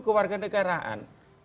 ke warga negaraan